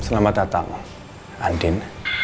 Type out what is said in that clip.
selamat datang andin